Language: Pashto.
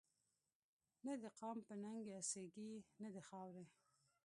نه دقام په ننګ پا څيږي نه دخاوري